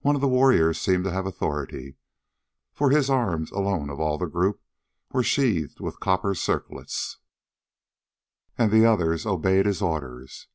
One of the warriors seemed to have authority, for his arms alone of all the group were sheathed with copper circlets, and the others obeyed his orders.